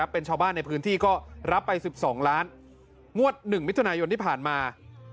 เป็นชาวบ้านในพื้นที่ก็รับไป๑๒ล้านงวด๑มิถุนายนที่ผ่านมา